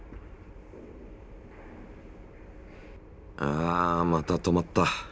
あまたとまった。